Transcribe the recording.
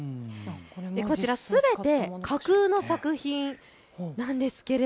こちらすべて架空の作品なんです。